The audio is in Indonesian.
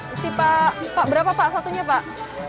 isi pak berapa pak satunya pak